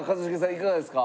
いかがですか？